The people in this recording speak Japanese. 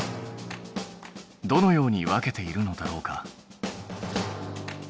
どのように分けているのだろうか？